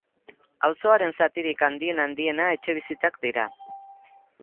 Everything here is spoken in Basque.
Auzoaren zatirik handien-handiena etxebizitzak dira.